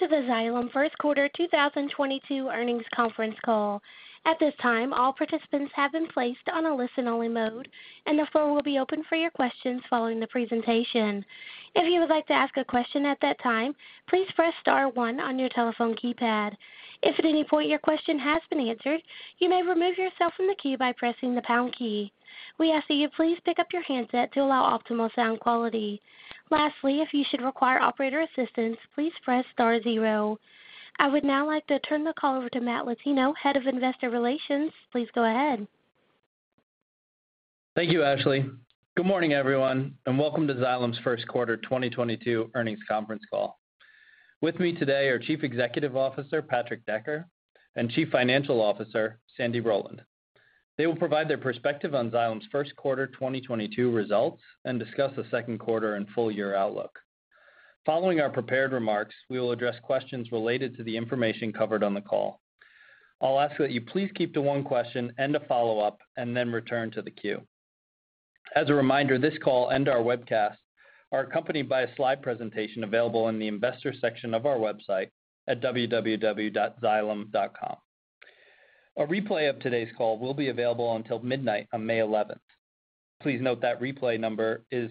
Welcome to the Xylem First Quarter 2022 Earnings Conference Call. At this time, all participants have been placed on a listen-only mode, and the floor will be open for your questions following the presentation. If you would like to ask a question at that time, please press star one on your telephone keypad. If at any point your question has been answered, you may remove yourself from the queue by pressing the pound key. We ask that you please pick up your handset to allow optimal sound quality. Lastly, if you should require operator assistance, please press star zero. I would now like to turn the call over to Matthew Latino, Head of Investor Relations. Please go ahead. Thank you, Ashley. Good morning, everyone, and welcome to Xylem's First Quarter 2022 Earnings Conference Call. With me today are Chief Executive Officer, Patrick Decker, and Chief Financial Officer, Sandy Rowland. They will provide their perspective on Xylem's first quarter 2022 results and discuss the second quarter and full year outlook. Following our prepared remarks, we will address questions related to the information covered on the call. I'll ask that you please keep to one question and a follow-up and then return to the queue. As a reminder, this call and our webcast are accompanied by a slide presentation available in the investor section of our website at www.xylem.com. A replay of today's call will be available until midnight on May 11. Please note that replay number is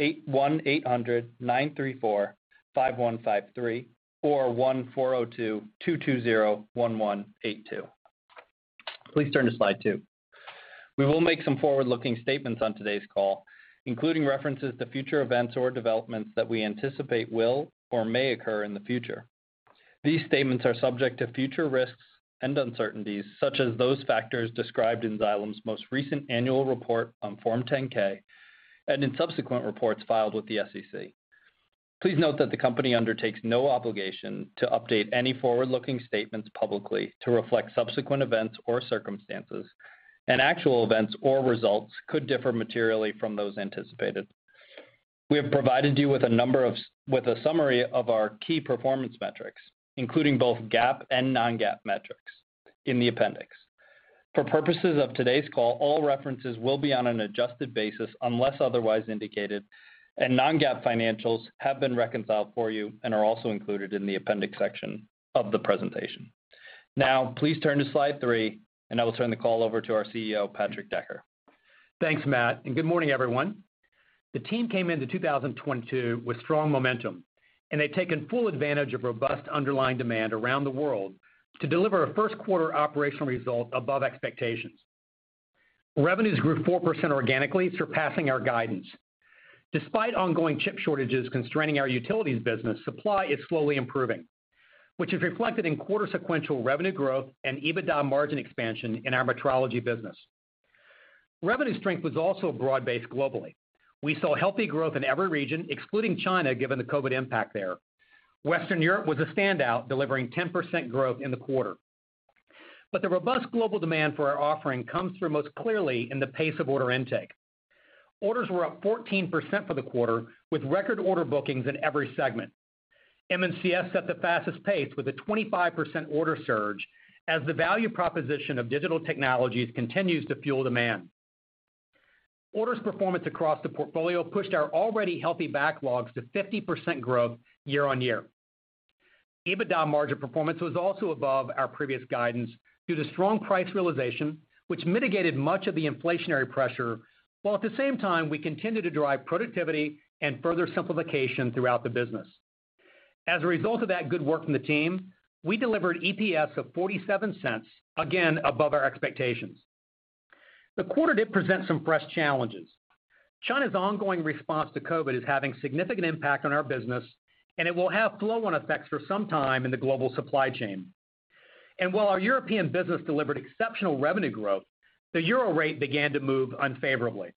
1-800-934-5153 or 1-402-222-01182. Please turn to slide two. We will make some forward-looking statements on today's call, including references to future events or developments that we anticipate will or may occur in the future. These statements are subject to future risks and uncertainties, such as those factors described in Xylem's most recent annual report on Form 10-K and in subsequent reports filed with the SEC. Please note that the company undertakes no obligation to update any forward-looking statements publicly to reflect subsequent events or circumstances, and actual events or results could differ materially from those anticipated. We have provided you with a summary of our key performance metrics, including both GAAP and non-GAAP metrics in the appendix. For purposes of today's call, all references will be on an adjusted basis unless otherwise indicated, and non-GAAP financials have been reconciled for you and are also included in the appendix section of the presentation. Now, please turn to slide three, and I will turn the call over to our CEO, Patrick Decker. Thanks, Matt, and good morning, everyone. The team came into 2022 with strong momentum, and they've taken full advantage of robust underlying demand around the world to deliver a first quarter operational result above expectations. Revenues grew 4% organically, surpassing our guidance. Despite ongoing chip shortages constraining our utilities business, supply is slowly improving, which is reflected in quarter sequential revenue growth and EBITDA margin expansion in our metrology business. Revenue strength was also broad-based globally. We saw healthy growth in every region, excluding China, given the COVID impact there. Western Europe was a standout, delivering 10% growth in the quarter. The robust global demand for our offering comes through most clearly in the pace of order intake. Orders were up 14% for the quarter, with record order bookings in every segment. M&CS set the fastest pace with a 25% order surge as the value proposition of digital technologies continues to fuel demand. Orders performance across the portfolio pushed our already healthy backlogs to 50% growth year-on-year. EBITDA margin performance was also above our previous guidance due to strong price realization, which mitigated much of the inflationary pressure, while at the same time we continued to drive productivity and further simplification throughout the business. As a result of that good work from the team, we delivered EPS of $0.47, again above our expectations. The quarter did present some fresh challenges. China's ongoing response to COVID is having significant impact on our business, and it will have flow-on effects for some time in the global supply chain. While our European business delivered exceptional revenue growth, the euro rate began to move unfavorably.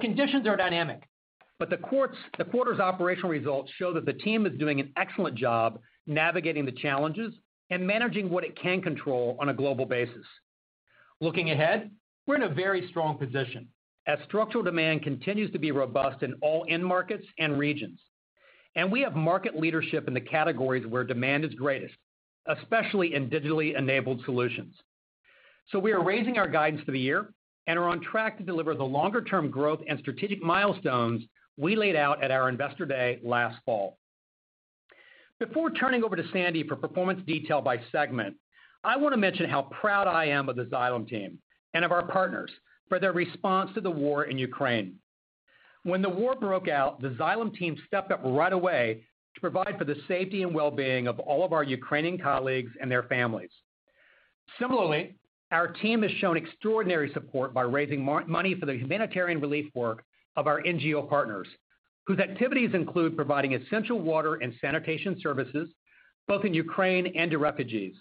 Conditions are dynamic, but the quarter's operational results show that the team is doing an excellent job navigating the challenges and managing what it can control on a global basis. Looking ahead, we're in a very strong position as structural demand continues to be robust in all end markets and regions. We have market leadership in the categories where demand is greatest, especially in digitally enabled solutions. We are raising our guidance for the year and are on track to deliver the longer-term growth and strategic milestones we laid out at our Investor Day last fall. Before turning over to Sandy for performance detail by segment, I wanna mention how proud I am of the Xylem team and of our partners for their response to the war in Ukraine. When the war broke out, the Xylem team stepped up right away to provide for the safety and well-being of all of our Ukrainian colleagues and their families. Similarly, our team has shown extraordinary support by raising money for the humanitarian relief work of our NGO partners, whose activities include providing essential water and sanitation services both in Ukraine and to refugees.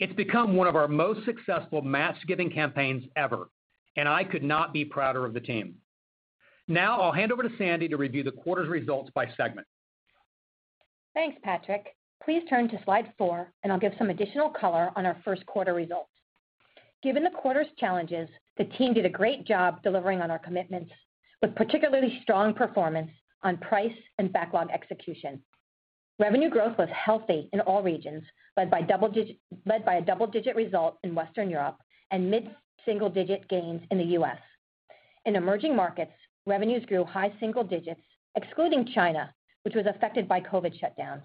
It's become one of our most successful match giving campaigns ever, and I could not be prouder of the team. Now, I'll hand over to Sandy to review the quarter's results by segment. Thanks, Patrick. Please turn to slide four, and I'll give some additional color on our first quarter results. Given the quarter's challenges, the team did a great job delivering on our commitments, with particularly strong performance on price and backlog execution. Revenue growth was healthy in all regions, led by a double-digit result in Western Europe and mid-single-digit gains in the U.S. In emerging markets, revenues grew high single digits, excluding China, which was affected by COVID shutdowns.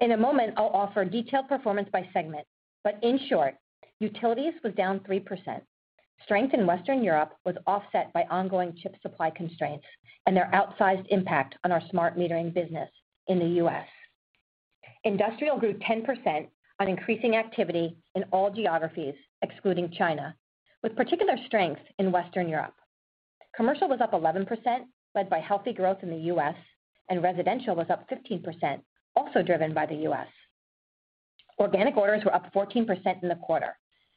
In a moment, I'll offer detailed performance by segment, but in short, utilities was down 3%. Strength in Western Europe was offset by ongoing chip supply constraints and their outsized impact on our smart metering business in the U.S. Industrial grew 10% on increasing activity in all geographies, excluding China, with particular strength in Western Europe. Commercial was up 11%, led by healthy growth in the U.S., and residential was up 15%, also driven by the U.S. Organic orders were up 14% in the quarter.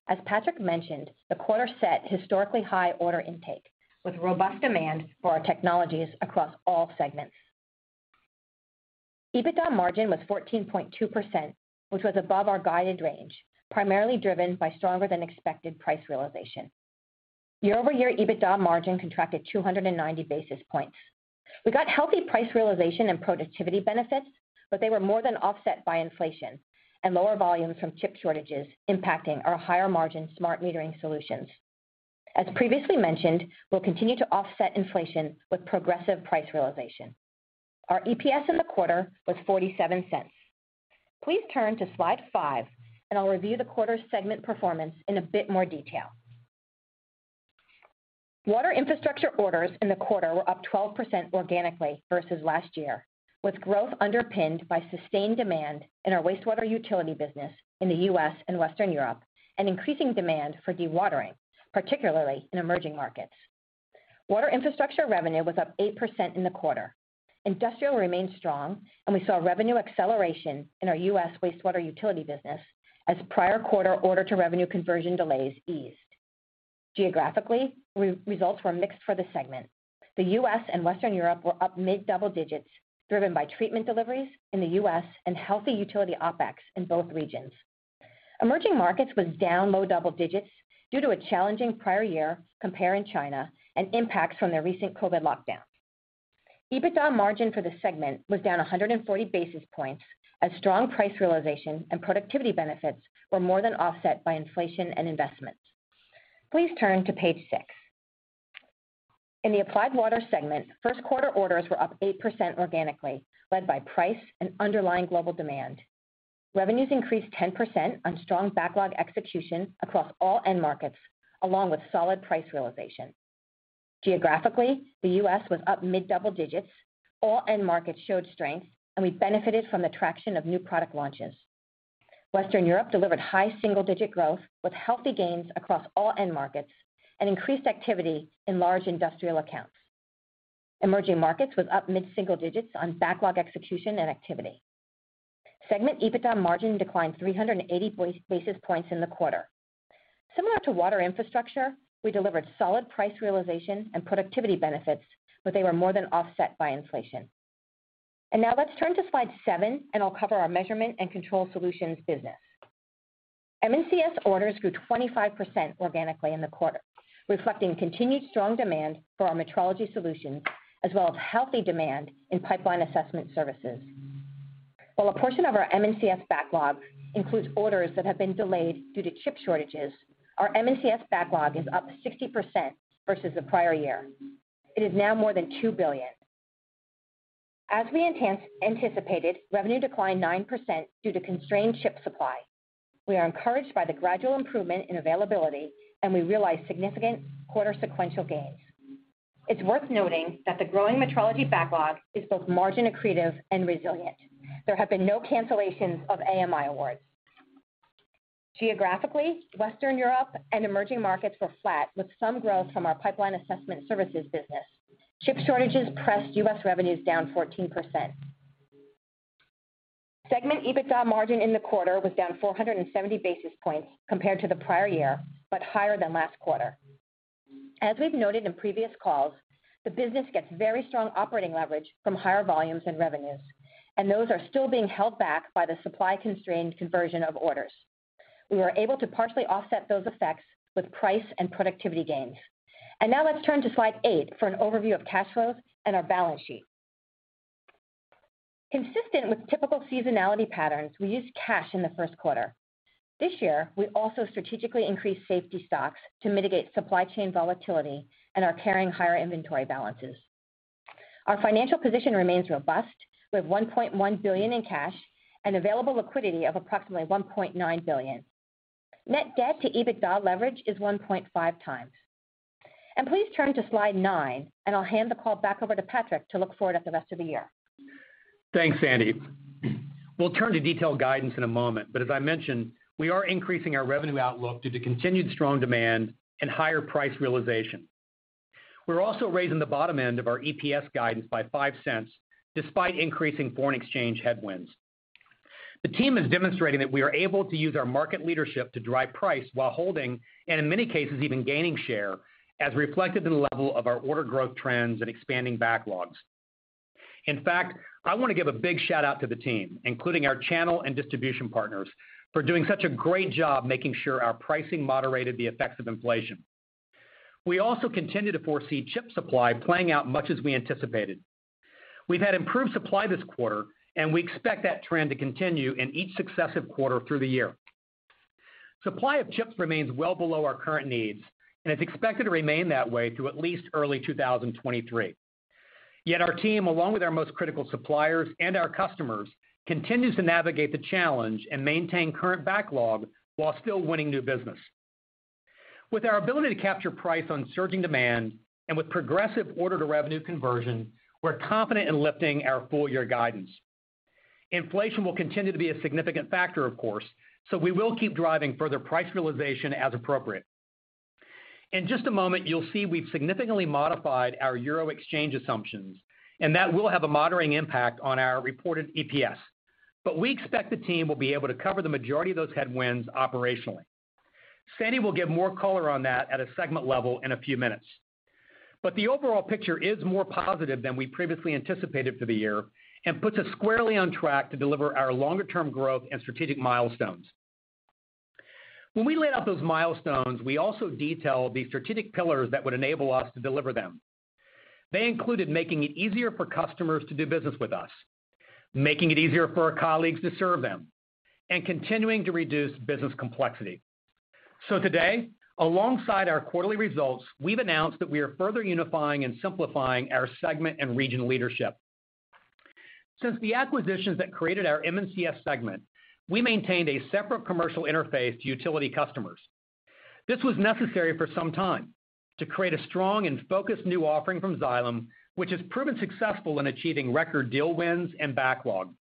As Patrick mentioned, the quarter set historically high order intake with robust demand for our technologies across all segments. EBITDA margin was 14.2%, which was above our guided range, primarily driven by stronger than expected price realization. Year-over-year EBITDA margin contracted 290 basis points. We got healthy price realization and productivity benefits, but they were more than offset by inflation and lower volumes from chip shortages impacting our higher-margin smart metering solutions. As previously mentioned, we'll continue to offset inflation with progressive price realization. Our EPS in the quarter was $0.47. Please turn to slide five, and I'll review the quarter's segment performance in a bit more detail. Water Infrastructure orders in the quarter were up 12% organically versus last year, with growth underpinned by sustained demand in our wastewater utility business in the U.S. and Western Europe and increasing demand for dewatering, particularly in Emerging Markets. Water Infrastructure revenue was up 8% in the quarter. Industrial remained strong, and we saw revenue acceleration in our U.S. wastewater utility business as prior quarter order-to-revenue conversion delays eased. Geographically, results were mixed for the segment. The U.S. and Western Europe were up mid double digits, driven by treatment deliveries in the U.S. and healthy utility OpEx in both regions. Emerging markets was down low double digits due to a challenging prior year compare in China and impacts from their recent COVID lockdown. EBITDA margin for the segment was down 140 basis points as strong price realization and productivity benefits were more than offset by inflation and investments. Please turn to page six. In the Applied Water segment, first quarter orders were up 8% organically, led by price and underlying global demand. Revenues increased 10% on strong backlog execution across all end markets, along with solid price realization. Geographically, the U.S. was up mid double digits. All end markets showed strength, and we benefited from the traction of new product launches. Western Europe delivered high single-digit growth with healthy gains across all end markets and increased activity in large industrial accounts. Emerging Markets was up mid single digits on backlog execution and activity. Segment EBITDA margin declined 380 basis points in the quarter. Similar to Water Infrastructure, we delivered solid price realization and productivity benefits, but they were more than offset by inflation. Now let's turn to slide seven, and I'll cover our Measurement & Control Solutions business. M&CS orders grew 25% organically in the quarter, reflecting continued strong demand for our metrology solutions as well as healthy demand in pipeline assessment services. While a portion of our M&CS backlog includes orders that have been delayed due to chip shortages, our M&CS backlog is up 60% versus the prior year. It is now more than $2 billion. As we intensely anticipated, revenue declined 9% due to constrained chip supply. We are encouraged by the gradual improvement in availability, and we realized significant quarter sequential gains. It's worth noting that the growing metrology backlog is both margin accretive and resilient. There have been no cancellations of AMI awards. Geographically, Western Europe and emerging markets were flat with some growth from our pipeline assessment services business. Chip shortages pressed U.S. revenues down 14%. Segment EBITDA margin in the quarter was down 470 basis points compared to the prior year, but higher than last quarter. As we've noted in previous calls, the business gets very strong operating leverage from higher volumes and revenues, and those are still being held back by the supply-constrained conversion of orders. We were able to partially offset those effects with price and productivity gains. Now let's turn to slide eight for an overview of cash flows and our balance sheet. Consistent with typical seasonality patterns, we used cash in the first quarter. This year, we also strategically increased safety stocks to mitigate supply chain volatility and are carrying higher inventory balances. Our financial position remains robust with $1.1 billion in cash and available liquidity of approximately $1.9 billion. Net debt to EBITDA leverage is 1.5x. Please turn to slide nine, and I'll hand the call back over to Patrick to look forward at the rest of the year. Thanks, Sandy. We'll turn to detailed guidance in a moment, but as I mentioned, we are increasing our revenue outlook due to continued strong demand and higher price realization. We're also raising the bottom end of our EPS guidance by $0.05 despite increasing foreign exchange headwinds. The team is demonstrating that we are able to use our market leadership to drive price while holding, and in many cases, even gaining share, as reflected in the level of our order growth trends and expanding backlogs. In fact, I want to give a big shout-out to the team, including our channel and distribution partners for doing such a great job making sure our pricing moderated the effects of inflation. We also continue to foresee chip supply playing out much as we anticipated. We've had improved supply this quarter, and we expect that trend to continue in each successive quarter through the year. Supply of chips remains well below our current needs and is expected to remain that way through at least early 2023. Yet our team, along with our most critical suppliers and our customers, continues to navigate the challenge and maintain current backlog while still winning new business. With our ability to capture price on surging demand and with progressive order-to-revenue conversion, we're confident in lifting our full year guidance. Inflation will continue to be a significant factor of course, so we will keep driving further price realization as appropriate. In just a moment, you'll see we've significantly modified our euro exchange assumptions, and that will have a moderating impact on our reported EPS. We expect the team will be able to cover the majority of those headwinds operationally. Sandy will give more color on that at a segment level in a few minutes. The overall picture is more positive than we previously anticipated for the year and puts us squarely on track to deliver our longer term growth and strategic milestones. When we laid out those milestones, we also detailed the strategic pillars that would enable us to deliver them. They included making it easier for customers to do business with us, making it easier for our colleagues to serve them, and continuing to reduce business complexity. Today, alongside our quarterly results, we've announced that we are further unifying and simplifying our segment and region leadership. Since the acquisitions that created our M&CS segment, we maintained a separate commercial interface to utility customers. This was necessary for some time to create a strong and focused new offering from Xylem, which has proven successful in achieving record deal wins and backlog.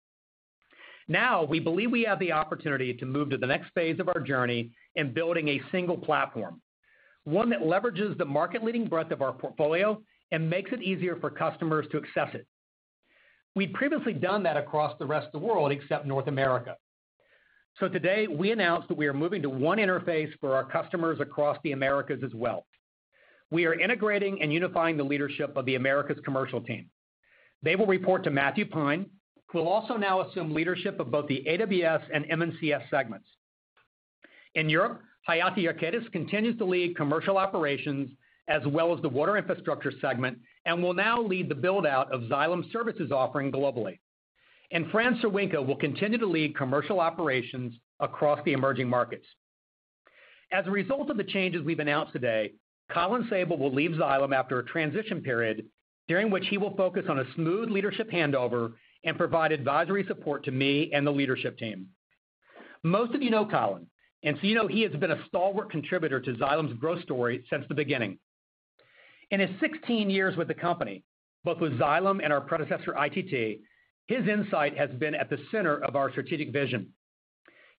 Now, we believe we have the opportunity to move to the next phase of our journey in building a single platform, one that leverages the market-leading breadth of our portfolio and makes it easier for customers to access it. We've previously done that across the rest of the world, except North America. Today, we announced that we are moving to one interface for our customers across the Americas as well. We are integrating and unifying the leadership of the Americas commercial team. They will report to Matthew Pine, who will also now assume leadership of both the AWS and M&CS segments. In Europe, Hayati Yarkadas continues to lead commercial operations as well as the water infrastructure segment and will now lead the build-out of Xylem services offering globally. Franz Cerwinka will continue to lead commercial operations across the emerging markets. As a result of the changes we've announced today, Colin Sabol will leave Xylem after a transition period during which he will focus on a smooth leadership handover and provide advisory support to me and the leadership team. Most of you know Colin, and so you know he has been a stalwart contributor to Xylem's growth story since the beginning. In his 16 years with the company, both with Xylem and our predecessor, ITT, his insight has been at the center of our strategic vision.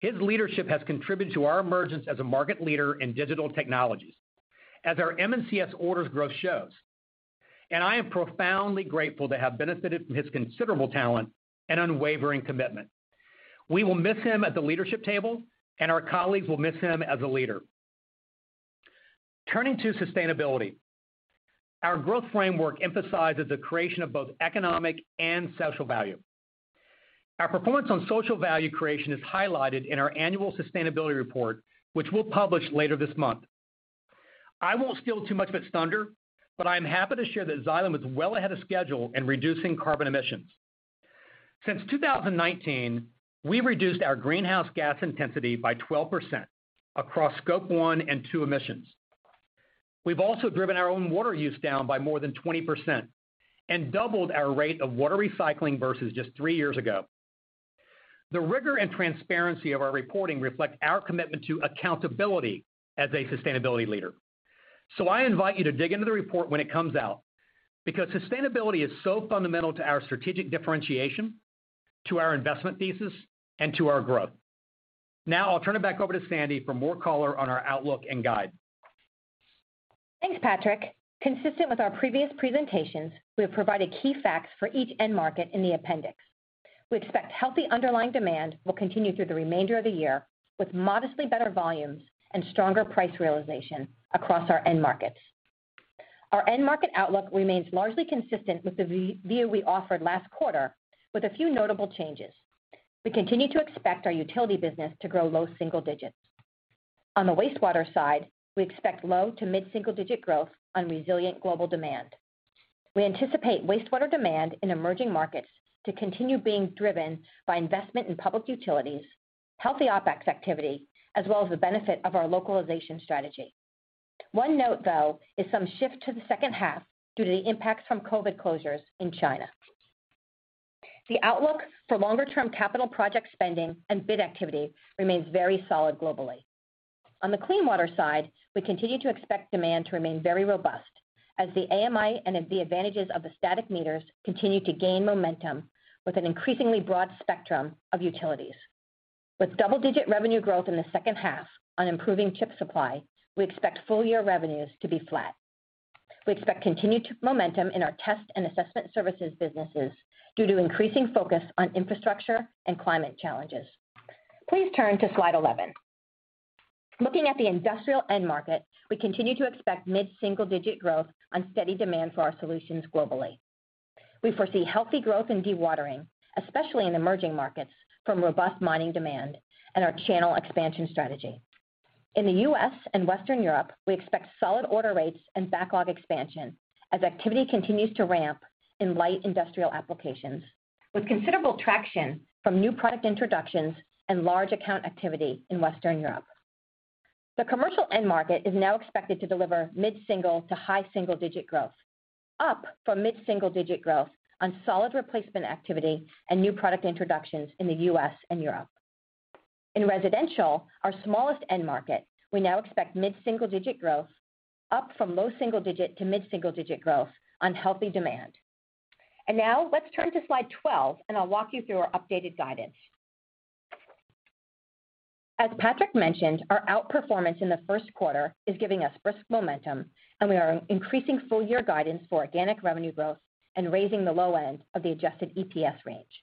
His leadership has contributed to our emergence as a market leader in digital technologies, as our M&CS orders growth shows, and I am profoundly grateful to have benefited from his considerable talent and unwavering commitment. We will miss him at the leadership table, and our colleagues will miss him as a leader. Turning to sustainability. Our growth framework emphasizes the creation of both economic and social value. Our performance on social value creation is highlighted in our annual sustainability report, which we'll publish later this month. I won't steal too much of its thunder, but I'm happy to share that Xylem is well ahead of schedule in reducing carbon emissions. Since 2019, we've reduced our greenhouse gas intensity by 12% across scope one and two emissions. We've also driven our own water use down by more than 20% and doubled our rate of water recycling versus just three years ago. The rigor and transparency of our reporting reflect our commitment to accountability as a sustainability leader. I invite you to dig into the report when it comes out, because sustainability is so fundamental to our strategic differentiation, to our investment thesis, and to our growth. Now I'll turn it back over to Sandy for more color on our outlook and guide. Thanks, Patrick. Consistent with our previous presentations, we have provided key facts for each end market in the appendix. We expect healthy underlying demand will continue through the remainder of the year with modestly better volumes and stronger price realization across our end markets. Our end market outlook remains largely consistent with the view we offered last quarter with a few notable changes. We continue to expect our utility business to grow low single digits. On the wastewater side, we expect low to mid-single digit growth on resilient global demand. We anticipate wastewater demand in emerging markets to continue being driven by investment in public utilities, healthy OpEx activity, as well as the benefit of our localization strategy. One note, though, is some shift to the second half due to the impacts from COVID closures in China. The outlook for longer-term capital project spending and bid activity remains very solid globally. On the clean water side, we continue to expect demand to remain very robust as the AMI and the advantages of the smart meters continue to gain momentum with an increasingly broad spectrum of utilities. With double-digit revenue growth in the second half on improving chip supply, we expect full year revenues to be flat. We expect continued momentum in our test and assessment services businesses due to increasing focus on infrastructure and climate challenges. Please turn to slide 11. Looking at the industrial end market, we continue to expect mid-single-digit growth on steady demand for our solutions globally. We foresee healthy growth in dewatering, especially in emerging markets, from robust mining demand and our channel expansion strategy. In the US and Western Europe, we expect solid order rates and backlog expansion as activity continues to ramp in light industrial applications with considerable traction from new product introductions and large account activity in Western Europe. The commercial end market is now expected to deliver mid-single to high single-digit growth, up from mid-single-digit growth on solid replacement activity and new product introductions in the US and Europe. In residential, our smallest end market, we now expect mid-single-digit growth, up from low single-digit to mid-single-digit growth on healthy demand. Now let's turn to slide 12, and I'll walk you through our updated guidance. As Patrick mentioned, our outperformance in the first quarter is giving us brisk momentum, and we are increasing full-year guidance for organic revenue growth and raising the low end of the adjusted EPS range.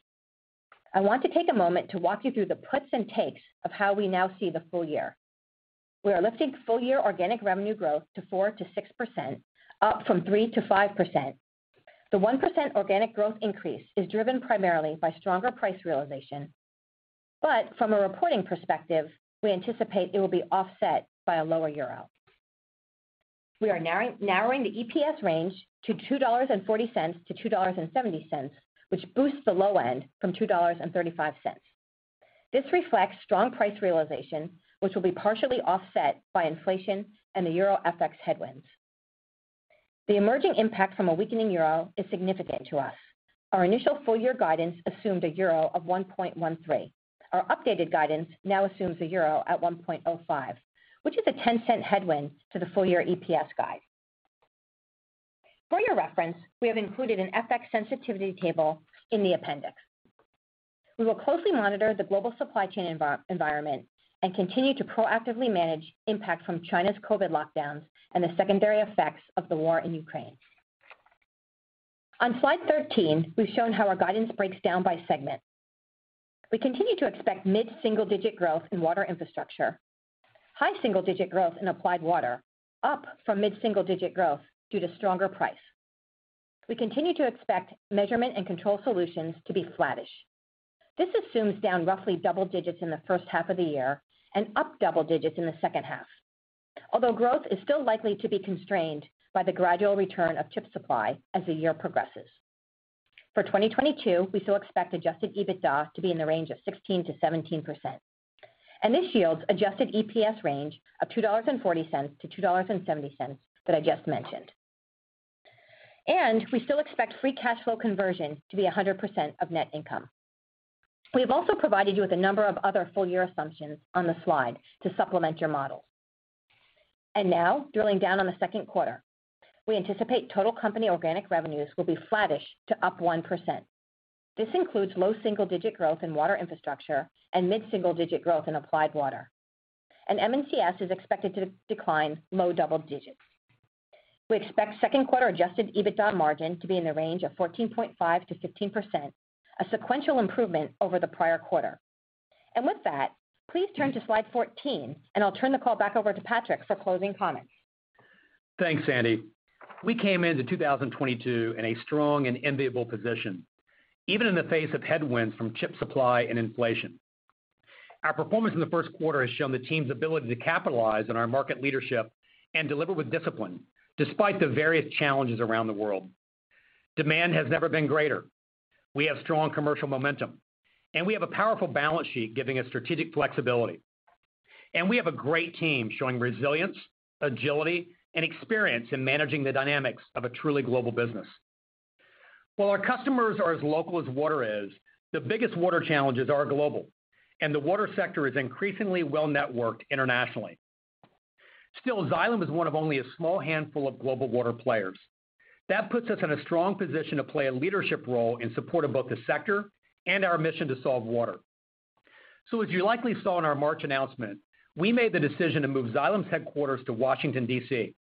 I want to take a moment to walk you through the puts and takes of how we now see the full year. We are lifting full-year organic revenue growth to 4%-6%, up from 3%-5%. The 1% organic growth increase is driven primarily by stronger price realization. But from a reporting perspective, we anticipate it will be offset by a lower euro. We are narrowing the EPS range to $2.40-$2.70, which boosts the low end from $2.35. This reflects strong price realization, which will be partially offset by inflation and the euro FX headwinds. The emerging impact from a weakening euro is significant to us. Our initial full year guidance assumed a 1.13 euro. Our updated guidance now assumes a 1.05 euro, which is a $0.10 headwind to the full-year EPS guide. For your reference, we have included an FX sensitivity table in the appendix. We will closely monitor the global supply chain environment and continue to proactively manage impact from China's COVID lockdowns and the secondary effects of the war in Ukraine. On slide 13, we've shown how our guidance breaks down by segment. We continue to expect mid-single-digit growth in Water Infrastructure, high single-digit growth in Applied Water, up from mid-single-digit growth due to stronger price. We continue to expect Measurement and Control Solutions to be flattish. This assumes down roughly double digits in the first half of the year and up double digits in the second half. Although growth is still likely to be constrained by the gradual return of chip supply as the year progresses. For 2022, we still expect adjusted EBITDA to be in the range of 16%-17%, and this yields adjusted EPS range of $2.40-$2.70 that I just mentioned. We still expect free cash flow conversion to be 100% of net income. We have also provided you with a number of other full year assumptions on the slide to supplement your models. Now drilling down on the second quarter. We anticipate total company organic revenues will be flattish to up 1%. This includes low single-digit growth in water infrastructure and mid-single-digit growth in applied water. M&CS is expected to decline low double digits. We expect second quarter adjusted EBITDA margin to be in the range of 14.5%-15%, a sequential improvement over the prior quarter. With that, please turn to slide 14, and I'll turn the call back over to Patrick for closing comments. Thanks, Andrea. We came into 2022 in a strong and enviable position, even in the face of headwinds from chip supply and inflation. Our performance in the first quarter has shown the team's ability to capitalize on our market leadership and deliver with discipline despite the various challenges around the world. Demand has never been greater. We have strong commercial momentum, and we have a powerful balance sheet giving us strategic flexibility. We have a great team showing resilience, agility, and experience in managing the dynamics of a truly global business. While our customers are as local as water is, the biggest water challenges are global, and the water sector is increasingly well-networked internationally. Still, Xylem is one of only a small handful of global water players. That puts us in a strong position to play a leadership role in support of both the sector and our mission to solve water. As you likely saw in our March announcement, we made the decision to move Xylem's headquarters to Washington, D.C.,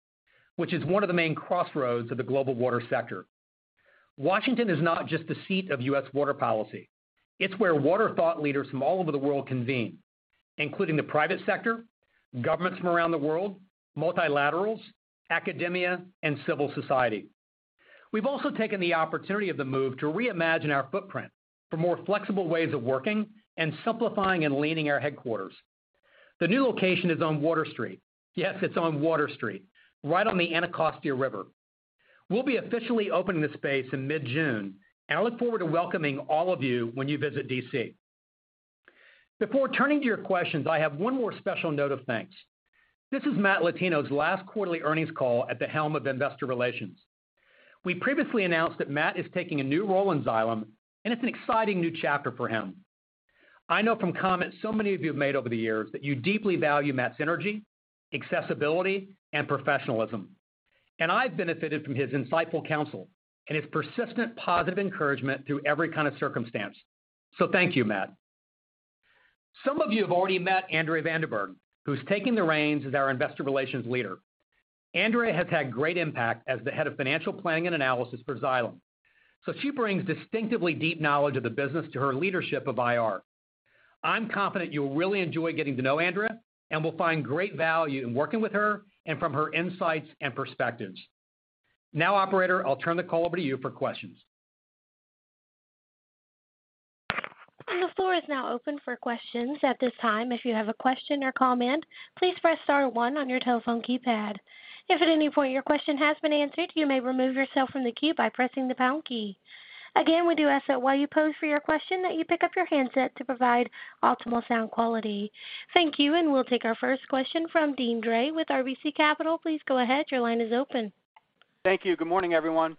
which is one of the main crossroads of the global water sector. Washington is not just the seat of U.S. water policy. It's where water thought leaders from all over the world convene, including the private sector, governments from around the world, multilaterals, academia, and civil society. We've also taken the opportunity of the move to reimagine our footprint for more flexible ways of working and simplifying and leaning our headquarters. The new location is on Water Street. Yes, it's on Water Street, right on the Anacostia River. We'll be officially opening the space in mid-June, and I look forward to welcoming all of you when you visit D.C. Before turning to your questions, I have one more special note of thanks. This is Matt Latino's last quarterly earnings call at the helm of investor relations. We previously announced that Matt is taking a new role in Xylem, and it's an exciting new chapter for him. I know from comments so many of you have made over the years that you deeply value Matt's energy, accessibility, and professionalism. I've benefited from his insightful counsel and his persistent positive encouragement through every kind of circumstance. Thank you, Matt. Some of you have already met Andrea van der Berg, who's taking the reins as our investor relations leader. Andrea has had great impact as the head of financial planning and analysis for Xylem, so she brings distinctively deep knowledge of the business to her leadership of IR. I'm confident you'll really enjoy getting to know Andrea and will find great value in working with her and from her insights and perspectives. Now, operator, I'll turn the call over to you for questions. The floor is now open for questions. At this time, if you have a question or comment, please press star one on your telephone keypad. If at any point your question has been answered, you may remove yourself from the queue by pressing the pound key. Again, we do ask that while you pose for your question that you pick up your handset to provide optimal sound quality. Thank you, and we'll take our first question from Deane Dray with RBC Capital Markets. Please go ahead. Your line is open. Thank you. Good morning, everyone.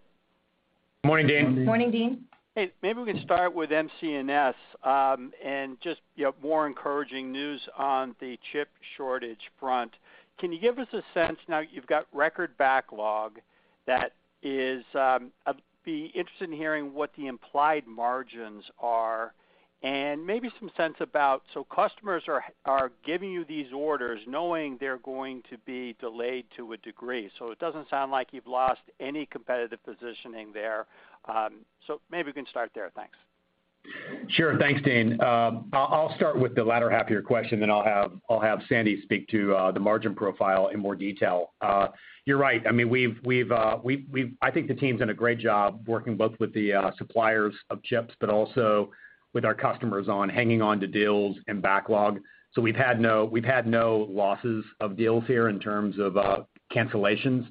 Morning, Dean. Morning, Deane. Hey, maybe we can start with M&CS, and just, you have more encouraging news on the chip shortage front. Can you give us a sense now you've got record backlog. I'd be interested in hearing what the implied margins are and maybe some sense about. Customers are giving you these orders knowing they're going to be delayed to a degree. It doesn't sound like you've lost any competitive positioning there. Maybe we can start there. Thanks. Sure. Thanks, Deane. I'll start with the latter half of your question, then I'll have Sandy speak to the margin profile in more detail. You're right. I mean, we've I think the team's done a great job working both with the suppliers of chips, but also with our customers on hanging on to deals and backlog. We've had no losses of deals here in terms of cancellations.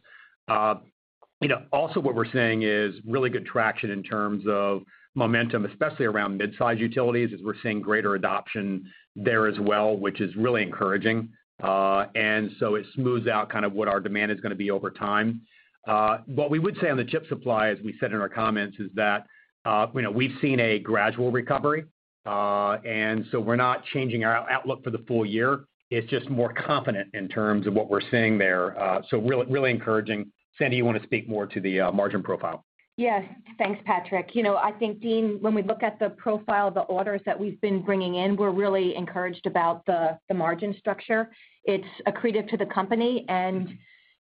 You know, also what we're seeing is really good traction in terms of momentum, especially around mid-size utilities, as we're seeing greater adoption there as well, which is really encouraging. It smooths out kind of what our demand is gonna be over time. What we would say on the chip supply, as we said in our comments, is that, you know, we've seen a gradual recovery, and so we're not changing our outlook for the full year. It's just more confident in terms of what we're seeing there. Really encouraging. Sandy, you wanna speak more to the margin profile? Yes. Thanks, Patrick. You know, I think, Dean, when we look at the profile of the orders that we've been bringing in, we're really encouraged about the margin structure. It's accretive to the company and,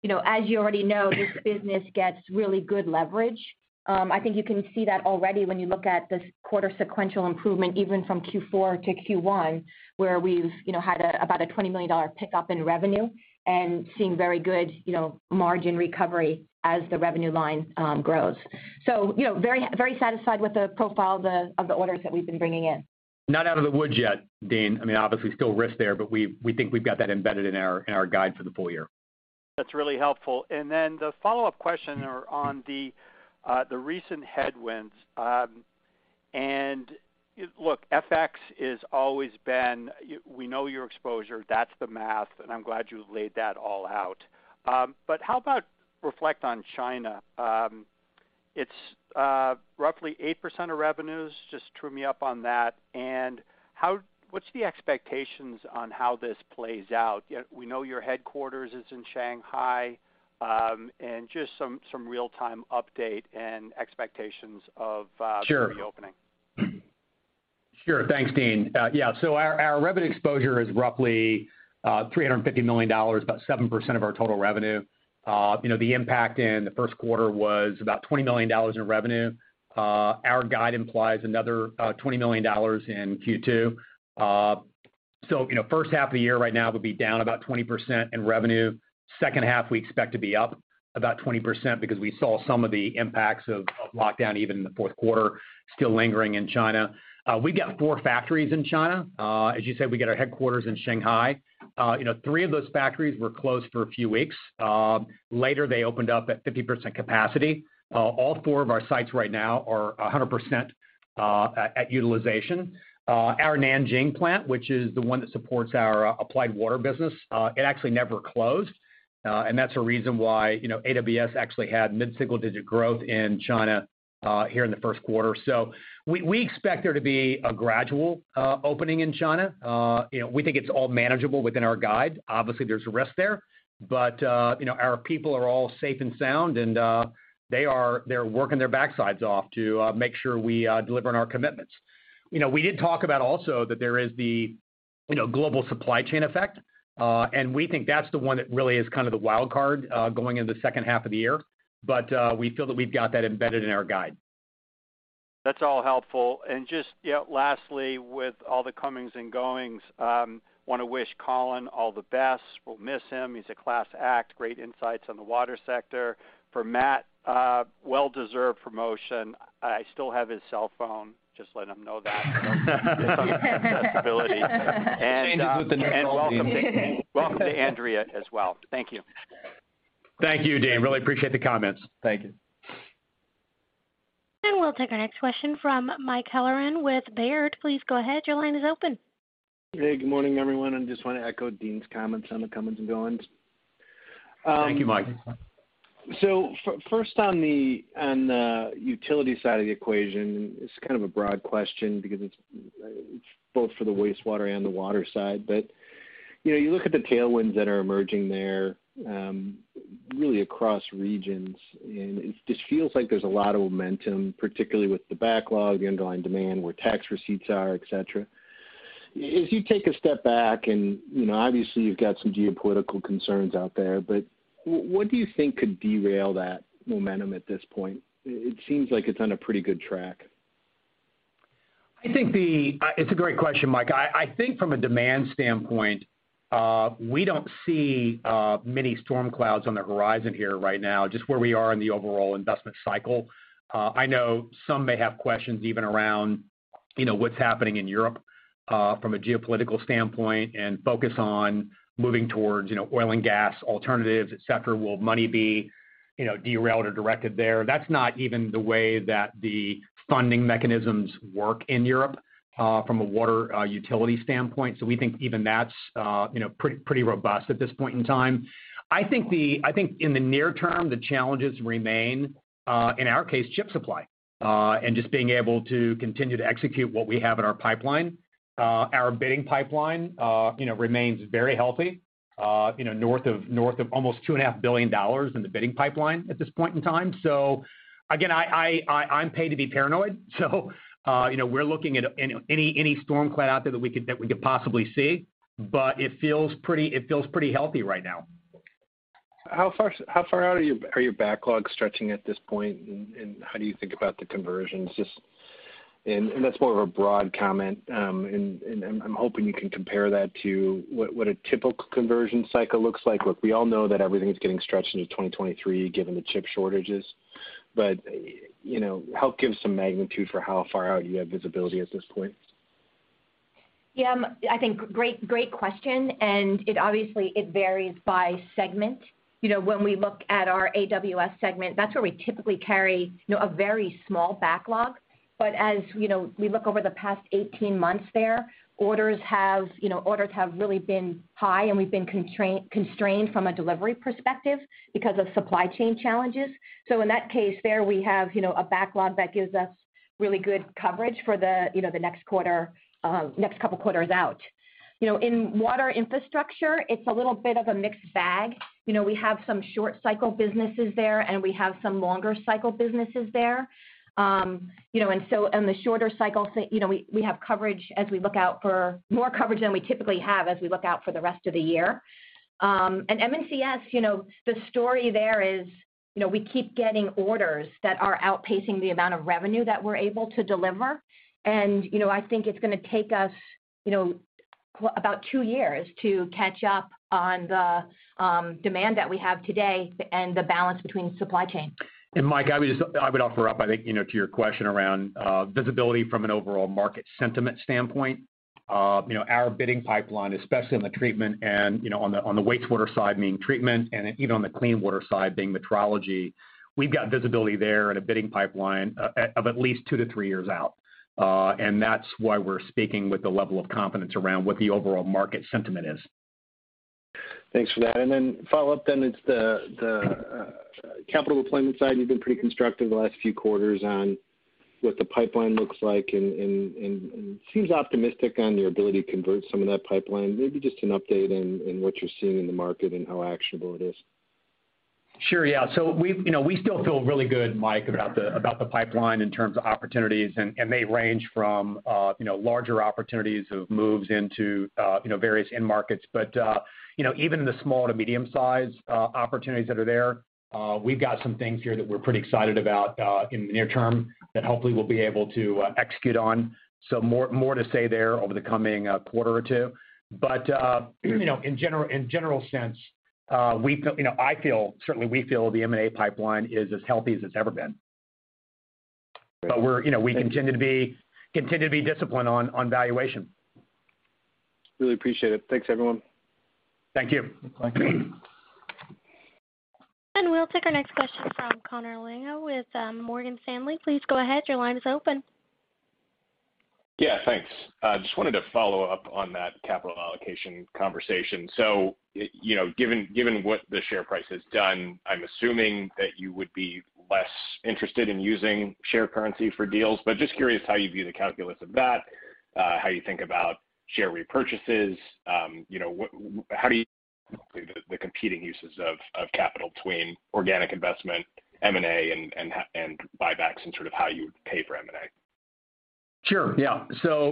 you know, as you already know, this business gets really good leverage. I think you can see that already when you look at this quarter sequential improvement, even from Q4 to Q1, where we've, you know, had about a $20 million pickup in revenue and seeing very good, you know, margin recovery as the revenue line grows. You know, very, very satisfied with the profile of the orders that we've been bringing in. Not out of the woods yet, Deane. I mean, obviously still risk there, but we think we've got that embedded in our guide for the full year. That's really helpful. Then the follow-up questions are on the recent headwinds. Look, FX has always been. We know your exposure, that's the math, and I'm glad you laid that all out. How about reflection on China? It's roughly 8% of revenues. Just true me up on that. How, what's the expectations on how this plays out? We know your headquarters is in Shanghai, and just some real-time update and expectations. Sure the reopening. Sure. Thanks, Dean. Yeah, so our revenue exposure is roughly $350 million, about 7% of our total revenue. You know, the impact in the first quarter was about $20 million in revenue. Our guide implies another $20 million in Q2. So, you know, first half of the year right now will be down about 20% in revenue. Second half, we expect to be up about 20% because we saw some of the impacts of lockdown even in the fourth quarter still lingering in China. We got four factories in China. As you said, we got our headquarters in Shanghai. You know, three of those factories were closed for a few weeks. Later, they opened up at 50% capacity. All four of our sites right now are 100% at utilization. Our Nanjing plant, which is the one that supports our Applied Water business, it actually never closed. That's the reason why, you know, AWS actually had mid-single-digit growth in China here in the first quarter. We expect there to be a gradual opening in China. You know, we think it's all manageable within our guide. Obviously, there's a risk there. You know, our people are all safe and sound, and they're working their backsides off to make sure we deliver on our commitments. You know, we did talk about also that there is the, you know, global supply chain effect, and we think that's the one that really is kind of the wild card going in the second half of the year. We feel that we've got that embedded in our guide. That's all helpful. Just, you know, lastly, with all the comings and goings, wanna wish Colin all the best. We'll miss him. He's a class act, great insights on the water sector. For Matt, well-deserved promotion. I still have his cell phone. Just letting him know that. His accessibility. Same here with the new phone, Deane. Welcome to Andrea as well. Thank you. Thank you, Deane. Really appreciate the comments. Thank you. We'll take our next question from Michael Halloran with Baird. Please go ahead. Your line is open. Hey, good morning, everyone, and just wanna echo Deane's comments on the comings and goings. Thank you, Mike. First on the utility side of the equation, it's kind of a broad question because it's both for the wastewater and the water side. You know, you look at the tailwinds that are emerging there, really across regions, and it just feels like there's a lot of momentum, particularly with the backlog, the underlying demand, where tax receipts are, et cetera. If you take a step back and, you know, obviously you've got some geopolitical concerns out there, but what do you think could derail that momentum at this point? It seems like it's on a pretty good track. I think it's a great question, Mike. I think from a demand standpoint, we don't see many storm clouds on the horizon here right now, just where we are in the overall investment cycle. I know some may have questions even around, you know, what's happening in Europe, from a geopolitical standpoint and focus on moving towards, you know, oil and gas alternatives, et cetera. Will money be, you know, derailed or directed there? That's not even the way that the funding mechanisms work in Europe, from a water utility standpoint. We think even that's, you know, pretty robust at this point in time. I think in the near term, the challenges remain, in our case, chip supply, and just being able to continue to execute what we have in our pipeline. Our bidding pipeline, you know, remains very healthy, you know, north of almost $2.5 billion in the bidding pipeline at this point in time. Again, I'm paid to be paranoid. We're looking at any storm cloud out there that we could possibly see, but it feels pretty healthy right now. How far out are your backlogs stretching at this point? How do you think about the conversions? Just that's more of a broad comment. I'm hoping you can compare that to what a typical conversion cycle looks like. Look, we all know that everything is getting stretched into 2023 given the chip shortages. You know, help give some magnitude for how far out you have visibility at this point. Yeah, I think great question, and it obviously varies by segment. You know, when we look at our AWS segment, that's where we typically carry, you know, a very small backlog. As, you know, we look over the past 18 months there, orders have, you know, really been high, and we've been constrained from a delivery perspective because of supply chain challenges. In that case there, we have, you know, a backlog that gives us really good coverage for the, you know, the next quarter, next couple quarters out. You know, in Water Infrastructure, it's a little bit of a mixed bag. You know, we have some short cycle businesses there, and we have some longer cycle businesses there. In the shorter cycle thing, you know, we have coverage as we look out for more coverage than we typically have as we look out for the rest of the year. M&CS, you know, the story there is, you know, we keep getting orders that are outpacing the amount of revenue that we're able to deliver. I think it's gonna take us, you know, about two years to catch up on the demand that we have today and the balance between supply chain. Mike, I would offer up, I think, you know, to your question around visibility from an overall market sentiment standpoint. You know, our bidding pipeline, especially on the treatment and, you know, on the wastewater side, meaning treatment, and even on the clean water side, being metrology, we've got visibility there and a bidding pipeline of at least two to three years out. That's why we're speaking with the level of confidence around what the overall market sentiment is. Thanks for that. Follow up then, it's the capital deployment side, you've been pretty constructive the last few quarters on what the pipeline looks like and seems optimistic on your ability to convert some of that pipeline. Maybe just an update on what you're seeing in the market and how actionable it is. Sure, yeah. We've you know, we still feel really good, Mike, about the pipeline in terms of opportunities, and they range from you know, larger opportunities who have moved into you know, various end markets. Even the small to medium-sized opportunities that are there, we've got some things here that we're pretty excited about in the near term that hopefully we'll be able to execute on. More to say there over the coming quarter or two. You know, in general sense, you know, I feel, certainly we feel the M&A pipeline is as healthy as it's ever been. We're you know, we continue to be disciplined on valuation. Really appreciate it. Thanks, everyone. Thank you. Thank you. We'll take our next question from Connor Lynagh with Morgan Stanley. Please go ahead, your line is open. Yeah, thanks. I just wanted to follow up on that capital allocation conversation. You know, given what the share price has done, I'm assuming that you would be less interested in using share currency for deals, but just curious how you view the calculus of that, how you think about share repurchases. You know, how do you weigh the competing uses of capital between organic investment, M&A and buybacks, and sort of how you would pay for M&A? Sure, yeah.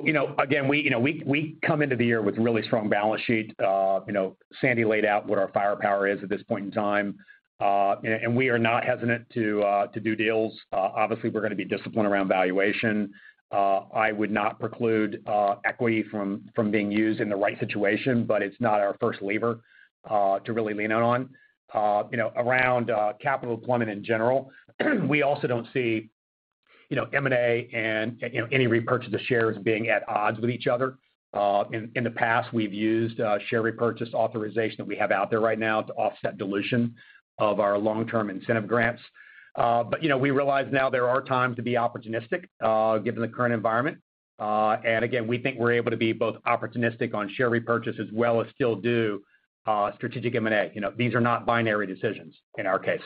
You know, again, we come into the year with a really strong balance sheet. You know, Sandy laid out what our firepower is at this point in time. We are not hesitant to do deals. Obviously, we're gonna be disciplined around valuation. I would not preclude equity from being used in the right situation, but it's not our first lever to really lean on. You know, around capital deployment in general, we also don't see, you know, M&A and, you know, any repurchase of shares being at odds with each other. In the past, we've used share repurchase authorization that we have out there right now to offset dilution of our long-term incentive grants. We realize now there are times to be opportunistic, given the current environment. Again, we think we're able to be both opportunistic on share repurchase as well as still do strategic M&A. You know, these are not binary decisions in our case.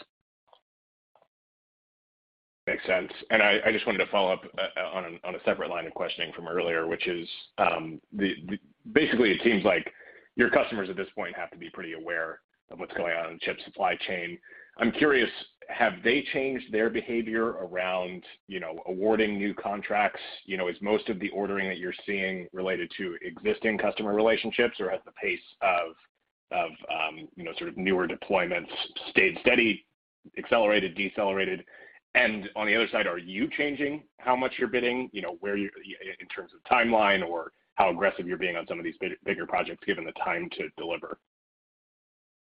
Makes sense. I just wanted to follow up on a separate line of questioning from earlier, which is basically, it seems like your customers at this point have to be pretty aware of what's going on in chip supply chain. I'm curious, have they changed their behavior around, you know, awarding new contracts? You know, is most of the ordering that you're seeing related to existing customer relationships, or has the pace of newer deployments stayed steady, accelerated, decelerated? On the other side, are you changing how much you're bidding, you know, where in terms of timeline or how aggressive you're being on some of these bigger projects given the time to deliver?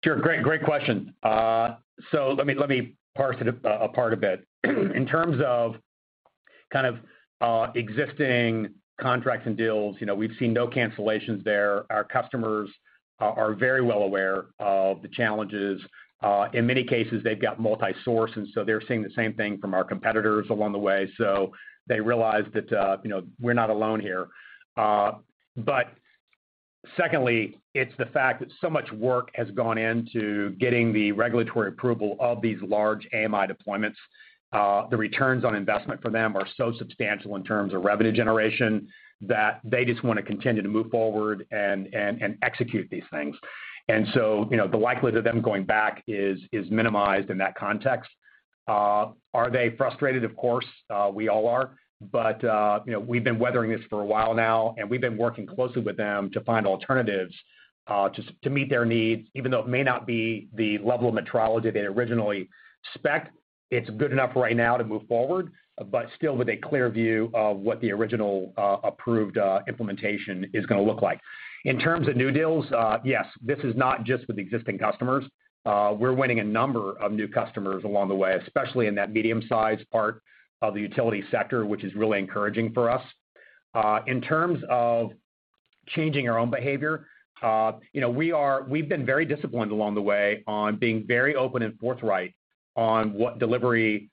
Sure. Great question. So let me parse it apart a bit. In terms of existing contracts and deals, you know, we've seen no cancellations there. Our customers are very well aware of the challenges. In many cases they've got multi-source, and so they're seeing the same thing from our competitors along the way. They realize that, you know, we're not alone here. But secondly, it's the fact that so much work has gone into getting the regulatory approval of these large AMI deployments. The returns on investment for them are so substantial in terms of revenue generation, that they just wanna continue to move forward and execute these things. You know, the likelihood of them going back is minimized in that context. Are they frustrated? Of course. We all are. You know, we've been weathering this for a while now, and we've been working closely with them to find alternatives to meet their needs, even though it may not be the level of metrology they'd originally spec'd. It's good enough right now to move forward, but still with a clear view of what the original approved implementation is gonna look like. In terms of new deals, yes, this is not just with existing customers. We're winning a number of new customers along the way, especially in that medium-sized part of the utility sector, which is really encouraging for us. In terms of changing our own behavior, you know, we've been very disciplined along the way on being very open and forthright on what delivery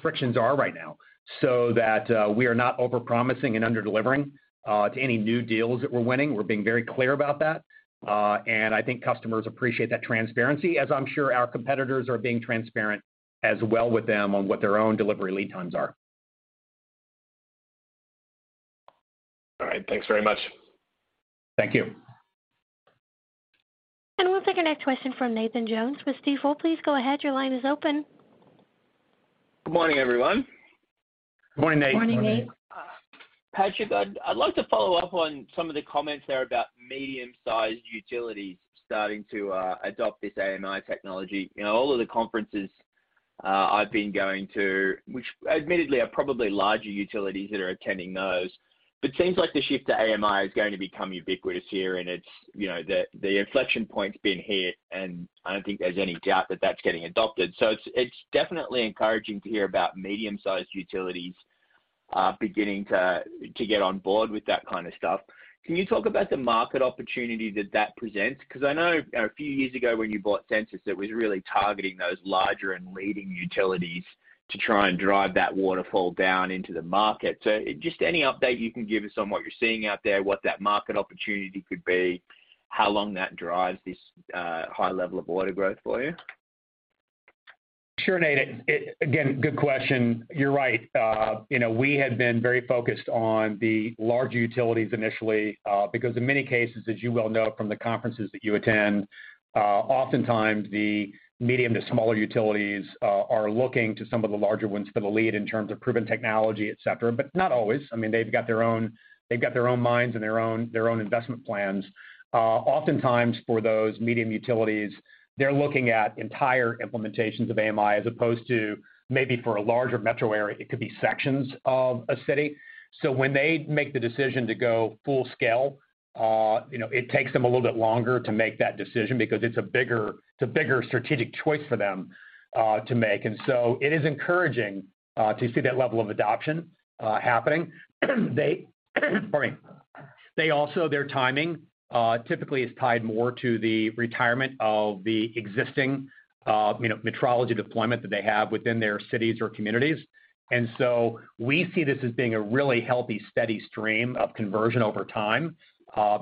frictions are right now, so that we are not overpromising and under-delivering to any new deals that we're winning. We're being very clear about that. I think customers appreciate that transparency, as I'm sure our competitors are being transparent as well with them on what their own delivery lead times are. All right. Thanks very much. Thank you. We'll take our next question from Nathan Jones with Stifel. Please go ahead. Your line is open. Good morning, everyone. Good morning, Nate. Good morning. Good morning, Nate. Patrick, I'd like to follow up on some of the comments there about medium-sized utilities starting to adopt this AMI technology. You know, all of the conferences I've been going to, which admittedly are probably larger utilities that are attending those, but seems like the shift to AMI is going to become ubiquitous here and it's, you know, the inflection point's been hit, and I don't think there's any doubt that that's getting adopted. It's definitely encouraging to hear about medium-sized utilities beginning to get on board with that kind of stuff. Can you talk about the market opportunity that that presents? 'Cause I know a few years ago when you bought Sensus, it was really targeting those larger and leading utilities to try and drive that waterfall down into the market. Just any update you can give us on what you're seeing out there, what that market opportunity could be, how long that drives this high level of order growth for you? Sure, Nate. It again, good question. You're right. You know, we had been very focused on the larger utilities initially, because in many cases, as you well know from the conferences that you attend, oftentimes the medium to smaller utilities are looking to some of the larger ones for the lead in terms of proven technology, et cetera, but not always. I mean, they've got their own minds and their own investment plans. Oftentimes for those medium utilities, they're looking at entire implementations of AMI as opposed to maybe for a larger metro area, it could be sections of a city. When they make the decision to go full scale, it takes them a little bit longer to make that decision because it's a bigger strategic choice for them to make. It is encouraging to see that level of adoption happening. They also, their timing, typically is tied more to the retirement of the existing metrology deployment that they have within their cities or communities. We see this as being a really healthy, steady stream of conversion over time,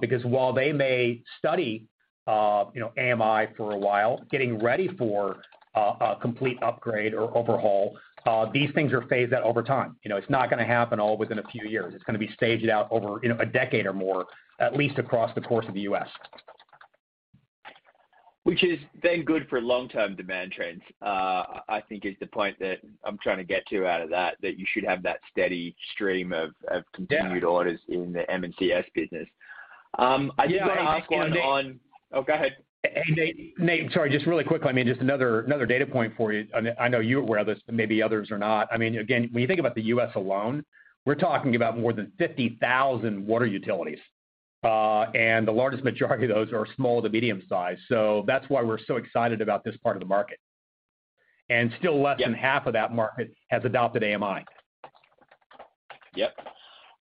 because while they may study AMI for a while, getting ready for a complete upgrade or overhaul, these things are phased out over time. It's not gonna happen all within a few years. It's gonna be staged out over, you know, a decade or more, at least across the course of the U.S. Which is then good for long-term demand trends, I think, is the point that I'm trying to get to out of that you should have that steady stream of. Yeah... continued orders in the M&CS business. I did wanna ask one on- Yeah. Nate- Oh, go ahead. Hey, Nate. Sorry, just really quickly, I mean, just another data point for you. I know you're aware of this, but maybe others are not. I mean, again, when you think about the U.S. alone, we're talking about more than 50,000 water utilities. The largest majority of those are small to medium-sized. That's why we're so excited about this part of the market. Yeah than half of that market has adopted AMI. Yep.